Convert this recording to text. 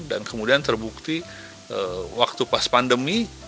dan kemudian terbukti waktu pas pandemi